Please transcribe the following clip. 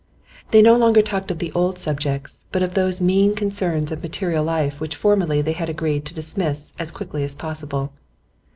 They no longer talked of the old subjects, but of those mean concerns of material life which formerly they had agreed to dismiss as quickly as possible.